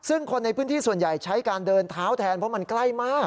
ซึ่งคนในพื้นที่ส่วนใหญ่ใช้การเดินเท้าแทนเพราะมันใกล้มาก